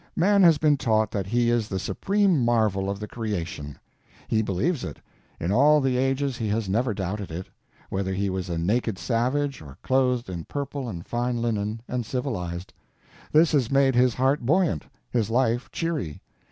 Man has been taught that he is the supreme marvel of the Creation; he believes it; in all the ages he has never doubted it, whether he was a naked savage, or clothed in purple and fine linen, and civilized. This has made his heart buoyant, his life cheery.